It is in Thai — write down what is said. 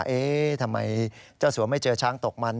เอ๊ะทำไมเจ้าสัวไม่เจอช้างตกมัน